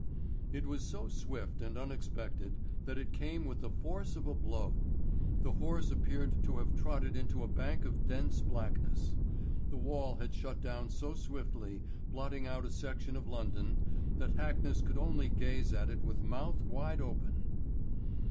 It was so swift and unexpected that it came with the force of a blow. The horse appeared to have trotted into a bank of dense blackness. The wall had shut down so swiftly, blotting out a section of London, that Hackness could only gaze at it with mouth wide open.